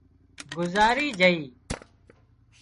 گذاري جھئي